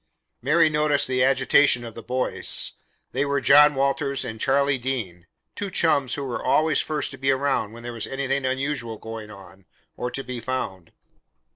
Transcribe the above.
Mary noticed the agitation of the boys. They were John Walters and Charlie Dean two chums who were always first to be around when there was anything unusual going on, or to be found.